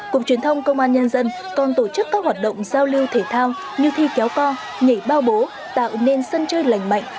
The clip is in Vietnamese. cục truyền thông công an nhân dân còn tổ chức các hoạt động giao lưu thể thao như thi kéo co nhảy bao bố tạo nên sân chơi lành mạnh